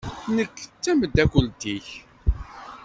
Nekk d tameddakelt-ik.